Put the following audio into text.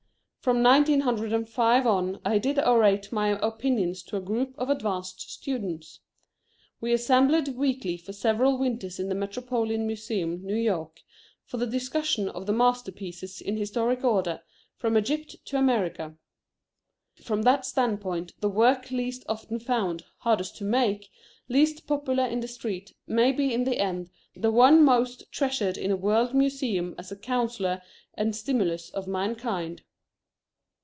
From nineteen hundred and five on I did orate my opinions to a group of advanced students. We assembled weekly for several winters in the Metropolitan Museum, New York, for the discussion of the masterpieces in historic order, from Egypt to America. From that standpoint, the work least often found, hardest to make, least popular in the street, may be in the end the one most treasured in a world museum as a counsellor and stimulus of mankind.